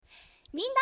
みんな！